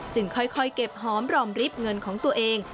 ค่อยเก็บหอมรอมริบเงินของตัวเอง